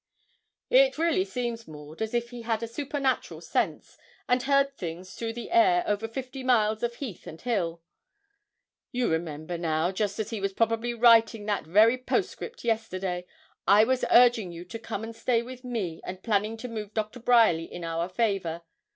'It really seems, Maud, as if he had a supernatural sense, and heard things through the air over fifty miles of heath and hill. You remember how, just as he was probably writing that very postscript yesterday, I was urging you to come and stay with me, and planning to move Dr. Bryerly in our favour.